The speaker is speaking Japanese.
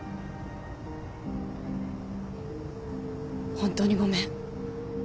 本当にごめん。